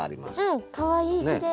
うんかわいいね。